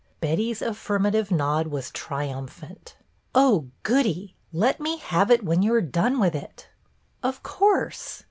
Betty's affirmative nod was triumphant. " Oh, goody ! Let me have it when you are done with it }"" Of course